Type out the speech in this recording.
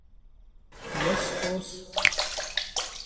Vues khos.